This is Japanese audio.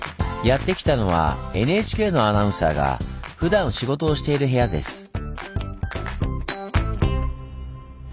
やって来たのはＮＨＫのアナウンサーがふだん仕事をしている部屋です。